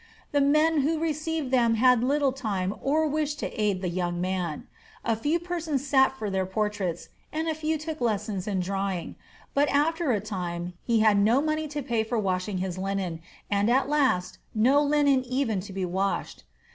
The men who received them had little time or wish to aid the young man. A few persons sat for their portraits, and a few took lessons in drawing; but after a time he had no money to pay for washing his linen, and at last no linen even to be washed.